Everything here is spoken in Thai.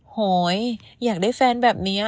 โหยอยากได้แฟนแบบนี้